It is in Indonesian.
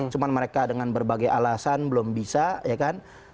cuma mereka dengan berbagai alasan belum bisa ya kan